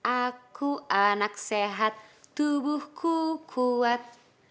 aku anak sehat tubuhku kuat